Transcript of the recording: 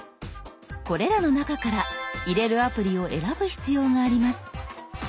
これらの中から入れるアプリを選ぶ必要があります。